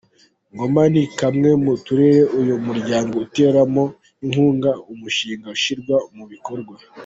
Ngoma ni kamwe mu turere uyu muryango uteramo inkunga umushinga ushyirwa mu bikorwa.